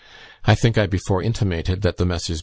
I think I before intimated, that the Messrs.